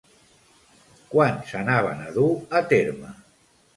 Quan s'anaven a dur a terme?